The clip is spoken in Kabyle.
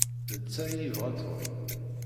D ta ay yebɣa Tom.